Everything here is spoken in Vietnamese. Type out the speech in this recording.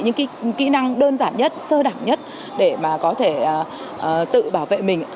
những kỹ năng đơn giản nhất sơ đẳng nhất để mà có thể tự bảo vệ mình